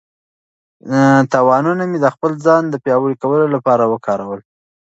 تاوانونه مې د خپل ځان د پیاوړي کولو لپاره وکارول.